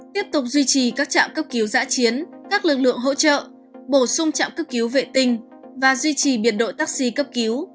tiếp tục duy trì các trạm cấp cứu giã chiến các lực lượng hỗ trợ bổ sung trạm cấp cứu vệ tinh và duy trì biên đội taxi cấp cứu